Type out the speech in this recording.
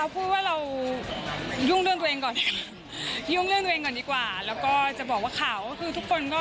จุ้มจื้นหัวใจบ้าง